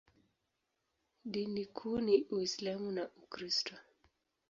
Dini kuu ni Uislamu na Ukristo.